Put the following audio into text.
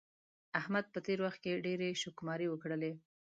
احمد په تېر وخت کې ډېرې شوکماری وکړلې.